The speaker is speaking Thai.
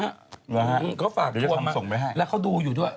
แล้วคุณก็ฝากทวงมาและเขาดูอยู่ด้วย